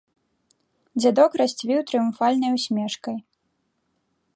Дзядок расцвіў трыумфальнай усмешкай.